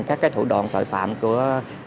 các thủ đoàn tội phạm của